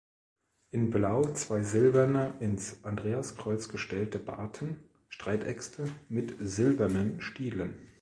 In Blau zwei silberne ins Andreaskreuz gestellte Barten (Streitäxte) mit silbernen Stielen.